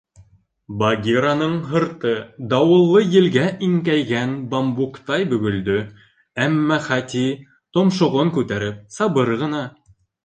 Багираның һырты дауыллы елгә иңкәйгән бамбуктай бөгөлдө, әммә Хати, томшоғон күтәреп, сабыр ғына: